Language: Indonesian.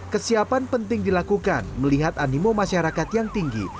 kesiapan penting dilakukan melihat animo masyarakat yang tinggi